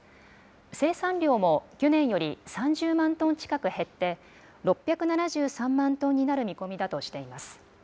生産量も去年より３０万トン近く減って、６７３万トンになる見込みだとしています。